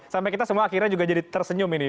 sampai kita semua akhirnya juga jadi tersenyum ini